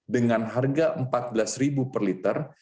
dengan harga rp empat belas per liter